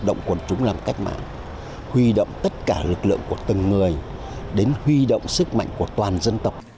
động quần chúng làm cách mạng huy động tất cả lực lượng của từng người đến huy động sức mạnh của toàn dân tộc